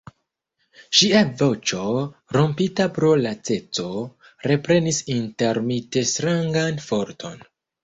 Ŝia voĉo, rompita pro laceco, reprenis intermite strangan forton.